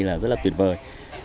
rất là tuyệt vời